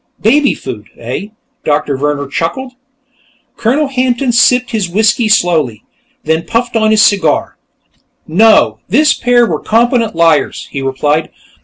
"Baby food, eh?" Doctor Vehrner chuckled. Colonel Hampton sipped his whiskey slowly, then puffed on his cigar. "No, this pair were competent liars," he replied.